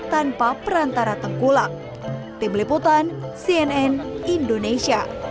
langsung ke konsumen tanpa perantara tengkulak